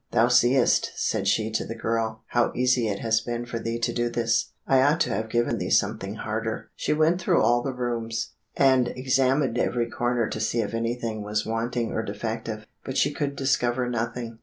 "Thou seest," said she to the girl, "how easy it has been for thee to do this; I ought to have given thee something harder." She went through all the rooms, and examined every corner to see if anything was wanting or defective; but she could discover nothing.